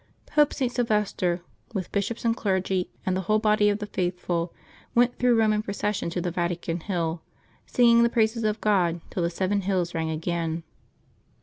Pope St. Sylvester, with bishops and clergy and the whole body of the faithful, went through Eome in procession to the Vatican Hill, singing the praises of God till the seven hills rang again.